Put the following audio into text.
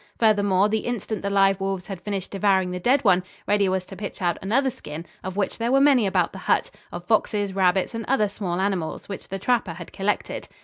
Furthermore, the instant the live wolves had finished devouring the dead one, Reddy was to pitch out another skin, of which there were many about the hut, of foxes, rabbits and other small animals, which the trapper had collected.